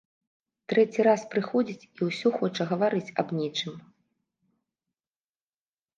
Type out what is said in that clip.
Трэці раз прыходзіць і ўсё хоча гаварыць аб нечым.